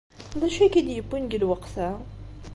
D acu ay k-id-yewwin deg lweqt-a?